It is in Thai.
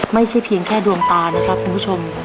ไม่แค่ดวมตานะครับคุณผู้ชม